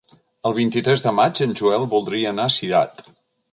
El vint-i-tres de maig en Joel voldria anar a Cirat.